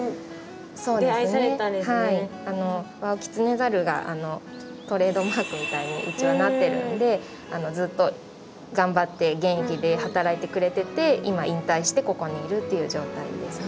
ワオキツネザルがトレードマークみたいにうちはなってるのでずっと頑張って元気で働いてくれてて今引退してここにいるっていう状態ですね。